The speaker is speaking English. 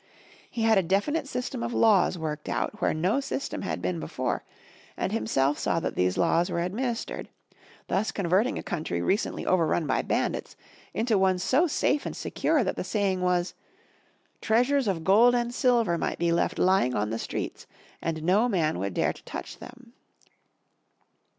He had a definite system of laws worked out where no system had been before, and himself saw that these laws were administered, thus converting a country recently overrun by bandits, into one so safe and secure, that the saying was, * Treasures of gold and silver might be left lying on the streets and no man would dare to touch them.''